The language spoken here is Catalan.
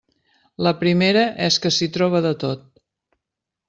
La primera és que s'hi troba de tot.